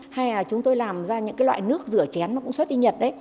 hay là chúng tôi làm ra những loại nước rửa chén mà cũng xuất đi nhật